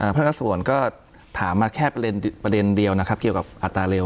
พนักงานส่วนก็ถามมาแค่ประเด็นเดียวนะครับเกี่ยวกับอัตราเร็ว